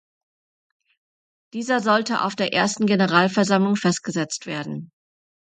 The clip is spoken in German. Dieser sollte auf der ersten Generalversammlung festgesetzt werden.